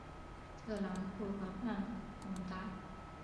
特兰库河畔孔达。